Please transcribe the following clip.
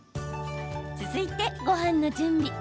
続いて、ごはんの準備。